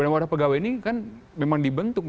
warah pegawai ini kan memang dibentuk